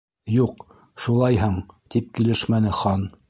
—Юҡ, шулайһың, —тип килешмәне Хан.